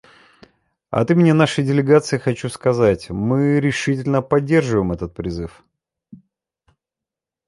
От имени нашей делегации хочу сказать: мы решительно поддерживаем этот призыв.